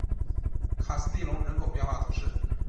卡斯蒂隆人口变化图示